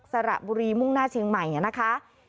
สระบุรีมุ่งหน้าเชียงใหม่นะคะ